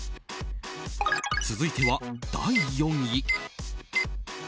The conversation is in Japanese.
続いては第４位。